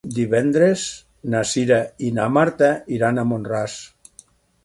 Divendres na Cira i na Marta iran a Mont-ras.